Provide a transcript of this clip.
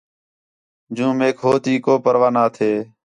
جوں میک ہو تی کو پروا نہ تھے